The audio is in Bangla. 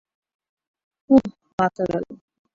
ওহ, বাঁচা গেল!